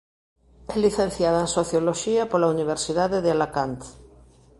É licenciada en Socioloxía pola Universidade de Alacant.